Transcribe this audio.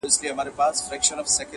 میاشتي ووتې طوطي هسی ګونګی وو.!